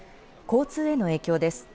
交通への影響です。